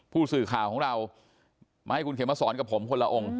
ผู้สื่อข่าวของเรามาให้คุณเขมสอนกับผมคนละองค์